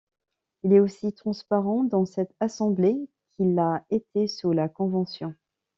Il est aussi transparent dans cette Assemblée qu'il l'a été sous la Convention.